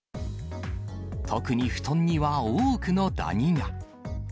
特に布団には多くのダニが。